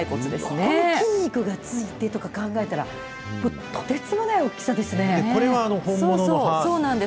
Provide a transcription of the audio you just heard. これに筋肉がついてとか考えたら、もうとてつもない大きさでこれは本物の歯ですね？